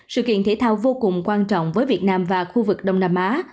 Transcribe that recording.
sự kiện thể thao vô cùng quan trọng với việt nam và khu vực đông nam á